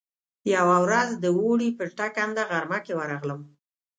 يوه ورځ د اوړي په ټکنده غرمه کې ورغلم.